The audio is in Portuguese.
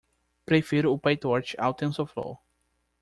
Prefiro o Pytorch ao Tensorflow.